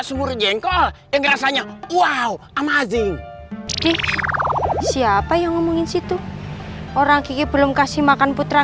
surjengkol yang rasanya wow amazing siapa yang ngomongin situ orang kiki belum kasih makan putra